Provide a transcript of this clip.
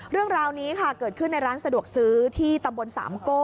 เรื่องราวนี้ค่ะเกิดขึ้นในร้านสะดวกซื้อที่ตำบลสามโก้